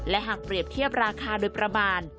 และหากเปรียบเทียบราคาโดยประมาณ